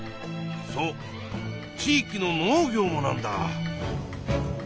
そう地域の農業もなんだ。